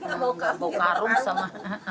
enggak bau karung sama